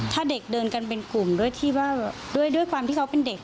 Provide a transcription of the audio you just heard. ถ้าเด็กเดินกันเป็นกลุ่มด้วยความที่เขาเป็นเด็ก